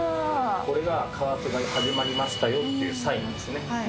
これが加圧が始まりましたよっていうサインですね。